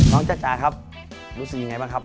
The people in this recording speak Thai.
จ้าจ๋าครับรู้สึกยังไงบ้างครับ